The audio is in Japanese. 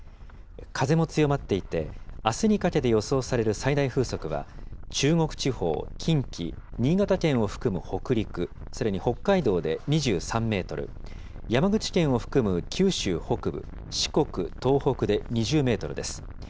風も強まっていて、あすにかけて予想される最大風速は、中国地方、近畿、新潟県を含む北陸、それに北海道で２３メートル、山口県を含む九州北部、四国、東北で２０メートルです。